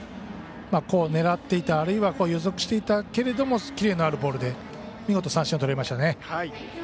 狙っていたあるいは予測していたけれどもキレのあるボールで見事、三振をとれましたね。